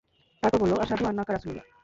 তারপর বলল, আশহাদু আন্নাকা রাসূলুল্লাহ।